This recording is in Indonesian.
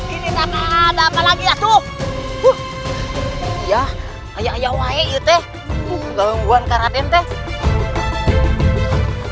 ini ada apalagi ya tuh ya ayah ayah wae itu enggan buang karatente nyai tunggu dulu